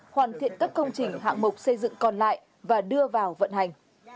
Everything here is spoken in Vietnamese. hoàn thiện các công trình hạng mục xây dựng còn lại và đưa vào vận hành